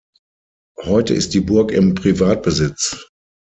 Heute ist die Burg im Privatbesitz.